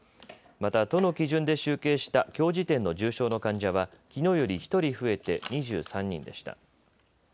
また、都の基準で集計したきょう時点の重症の患者はきのうより１人増えて２３人でした。